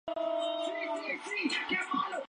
El árbol necesita magnesio.